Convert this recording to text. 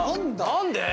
何で？